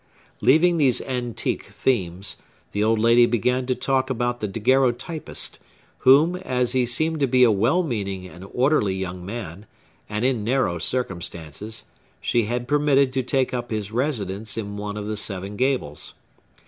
Leaving these antique themes, the old lady began to talk about the daguerreotypist, whom, as he seemed to be a well meaning and orderly young man, and in narrow circumstances, she had permitted to take up his residence in one of the seven gables.